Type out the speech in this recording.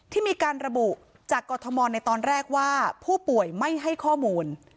ที่มีการระบุจากกรทมในตอนแรกว่าผู้ป่วยไม่ให้ข้อมูล